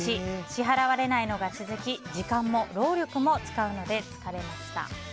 支払われないのが続き時間も労力も使うので、疲れました。